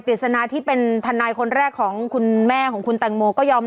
ฤษณาที่เป็นทนายคนแรกของคุณแม่ของคุณแตงโมก็ยอม